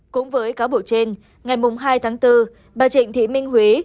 cũng với cáo buộc trên ngày hai tháng bốn bà trịnh thị minh huế